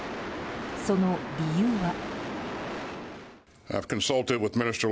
その理由は。